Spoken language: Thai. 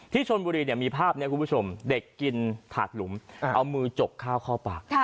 ชนบุรีมีภาพนี้คุณผู้ชมเด็กกินถาดหลุมเอามือจกข้าวเข้าปาก